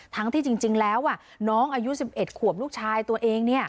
ทั้งที่จริงแล้วน้องอายุ๑๑ขวบลูกชายตัวเอง